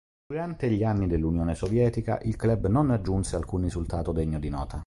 Durante gli anni dell'Unione Sovietica, il club non raggiunse alcun risultato degno di nota.